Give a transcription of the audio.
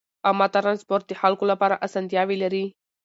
عامه ترانسپورت د خلکو لپاره اسانتیاوې لري.